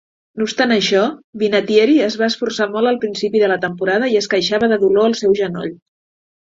No obstant això, Vinatieri es va esforçar molt al principi de la temporada i es queixava de dolor al seu genoll.